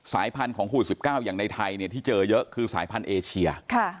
พันธุ์ของโควิด๑๙อย่างในไทยที่เจอเยอะคือสายพันธุ์เอเชีย